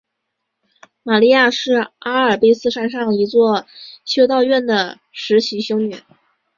玛莉亚是阿尔卑斯山上一所修道院的实习修女。